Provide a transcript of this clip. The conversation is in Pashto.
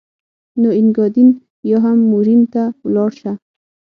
نو اینګادین یا هم مورین ته ولاړ شه.